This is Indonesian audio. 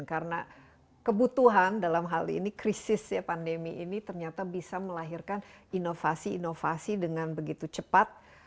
karena kebutuhan dalam hal ini krisis ya pandemi ini ternyata bisa melahirkan inovasi inovasi dengan begitu cepat